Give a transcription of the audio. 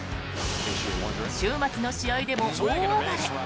週末の試合でも大暴れ。